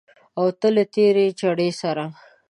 او ته له تېرې چړې سره